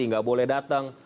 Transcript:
tidak boleh datang